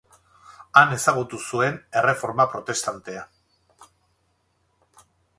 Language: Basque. Han ezagutu zuen Erreforma Protestantea.